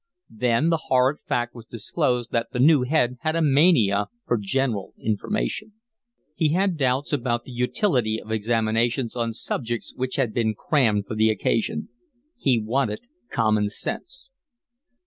Then the horrid fact was disclosed that the new head had a mania for general information. He had doubts about the utility of examinations on subjects which had been crammed for the occasion. He wanted common sense.